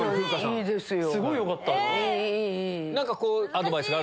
いいですよ。